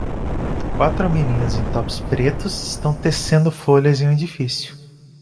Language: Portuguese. Quatro meninas em tops pretos estão tecendo folhas em um edifício.